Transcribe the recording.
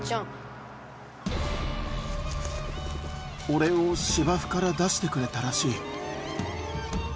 「俺を芝生から出してくれたらしい」